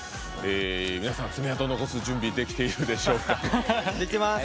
皆さん、爪痕を残す準備できているでしょうか。